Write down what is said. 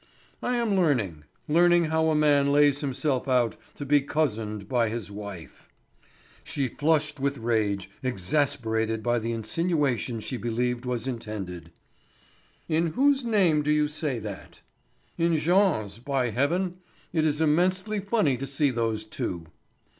"I am learning. Learning how a man lays himself out to be cozened by his wife." She flushed with rage, exasperated by the insinuation she believed was intended. "In whose name do you say that?" "In Jean's, by Heaven! It is immensely funny to see those two."